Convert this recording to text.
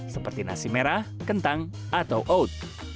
seperti nasi merah kentang atau oat